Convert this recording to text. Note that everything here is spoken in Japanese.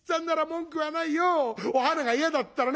お花が嫌だったらね